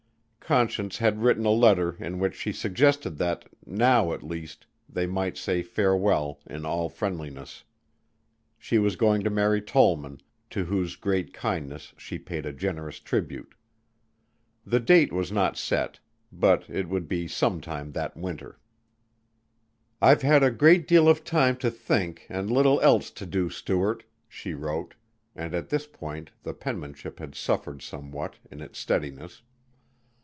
Conscience had written a letter in which she suggested that, now at least, they might say farewell in all friendliness. She was going to marry Tollman, to whose great kindness she paid a generous tribute. The date was not set but it would be some time that winter. "I've had a great deal of time to think and little else to do, Stuart," she wrote, and at this point the penmanship had suffered somewhat in its steadiness.